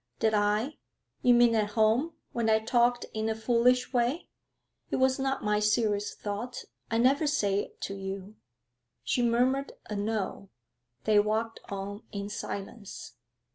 'Did I? You mean at home, when I talked in a foolish way. It was not my serious thought. I never said it to you.' She murmured a 'No.' They walked on in silence.